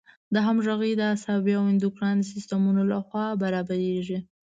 همغږي د عصبي او اندوکراین د سیستمونو له خوا برابریږي.